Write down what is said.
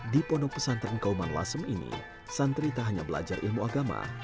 di pondok pesantren kauman lasem ini santri tak hanya belajar ilmu agama